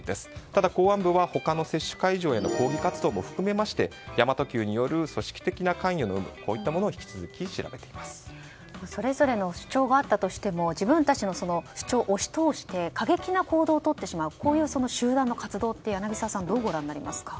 ただ、公安部は他の接種会場への抗議活動も含めて神真都Ｑによる組織的な関与といったものをそれぞれの主張があったとしても自分たちの主張を押し通して過激な行動をとってしまうこういう集団の活動って柳澤さん、どうご覧になりますか。